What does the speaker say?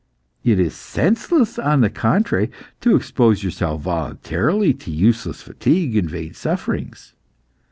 It is senseless, on the contrary, to expose yourself voluntarily to useless fatigue and vain sufferings.